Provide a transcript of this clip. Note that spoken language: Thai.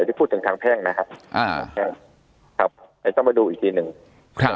ที่พูดถึงทางแพงนะครับอ่าครับต้องมาดูอีกทีหนึ่งครับ